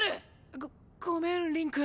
ごごめん凛くん。